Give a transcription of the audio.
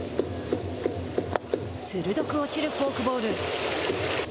鋭く落ちるフォークボール。